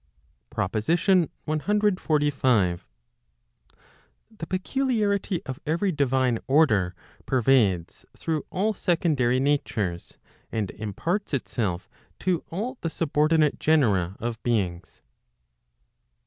PROPOSITION CXLV. The peculiarity of every divine order pervades through all secondary natures, and imparts itself to all the subordinate genera of beings.